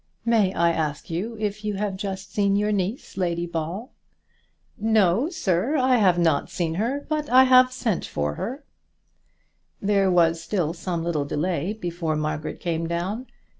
May I ask you if you have just seen your niece, Lady Ball?" "No, sir, I have not seen her; but I have sent for her." There was still some little delay before Margaret came down.